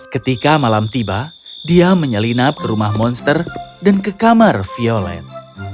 ketika malam tiba dia menyelinap ke rumah monster dan ke kamar violet